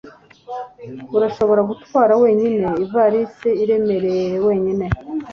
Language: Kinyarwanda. Urashobora gutwara wenyine ivarisi iremereye wenyine